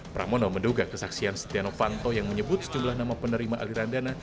pramono menduga kesaksian setia novanto yang menyebut sejumlah nama penerima aliran dana